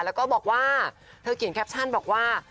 แล้วก็บอกว่าเธอเขียนแคปชั่นบอกว่า